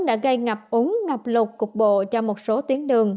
đã gây ngập úng ngập lục cục bộ cho một số tuyến đường